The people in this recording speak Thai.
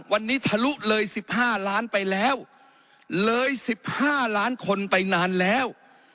วันนี้ทะลุเลยสิบห้าล้านไปแล้วเลยสิบห้าล้านคนไปนานแล้ว